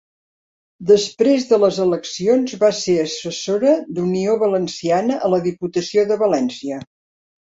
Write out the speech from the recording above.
Després de les eleccions va ser assessora d'Unió Valenciana a la Diputació de València.